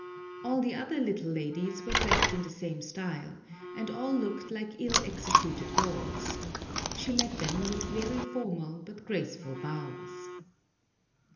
All the other little ladies were dressed in the same style, and all looked like ill executed dolls. She met them with very formal but graceful bows.